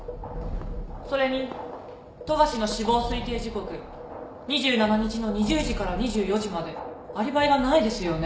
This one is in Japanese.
それに富樫の死亡推定時刻２７日の２０時から２４時までアリバイがないですよね？